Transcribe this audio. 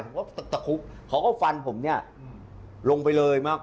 ผมก็จะคุกเขาก็ฟันผมเนี่ยลงไปเลยมา